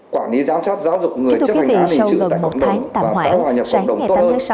quản lý giám sát giáo dục người chấp hành án hình sự tại cộng đồng và tái hoàn nhập cộng đồng tốt hơn